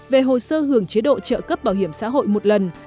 về hồ sơ hưởng chế độ trợ cấp bảo hiểm xã hội một lần